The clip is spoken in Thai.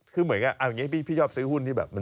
คือเหมือนกันอันนี้พี่ชอบซื้อหุ้นที่แบบ